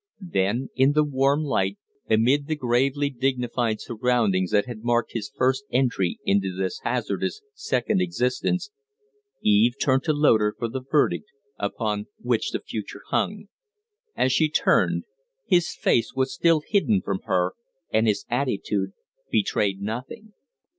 Then, in the warm light, amid the gravely dignified surroundings that had marked his first entry into this hazardous second existence, Eve turned to Loder for the verdict upon which the future hung. As she turned, his face was still hidden from her, and his attitude betrayed nothing.